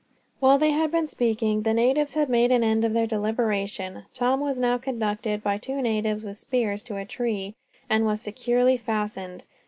While they had been speaking the natives had made an end of their deliberation. Tom was now conducted, by two natives with spears, to a tree; and was securely fastened.